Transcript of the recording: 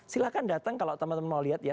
silahkan datang kalau teman teman mau lihat ya